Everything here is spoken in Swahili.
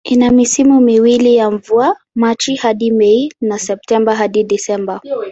Ina misimu miwili ya mvua, Machi hadi Mei na Septemba hadi Disemba.